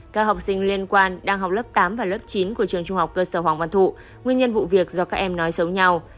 các học sinh liên quan đang học lớp tám và lớp chín của trường trung học cơ sở hoàng văn thụ nguyên nhân vụ việc do các em nói sống nhau